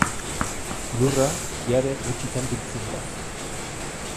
Lurra jabe gutxitan biltzen da.